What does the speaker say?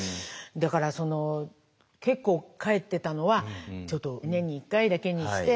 だからその結構帰ってたのはちょっと年に１回だけにして。